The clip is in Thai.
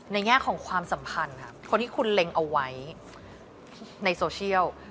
แง่ของความสัมพันธ์ค่ะคนที่คุณเล็งเอาไว้ในโซเชียล